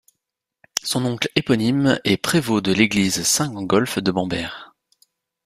Son oncle éponyme est prévôt de l'église Saint-Gangolf de Bamberg.